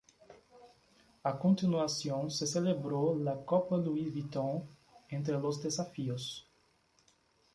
A continuación se celebró la Copa Louis Vuitton entre los desafíos.